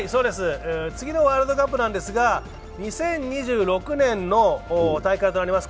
次のワールドカップなんですが２０２６年の大会となります。